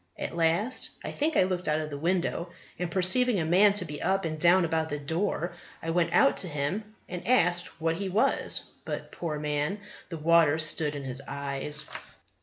At last I think I looked out of the window, and perceiving a man to be up and down about the door, I went out to him, and asked what he was; but, poor man, the water stood in his eyes.